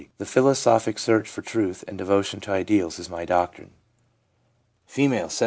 The philosophic search for truth and devotion to ideals is my doctrine/ F., 74.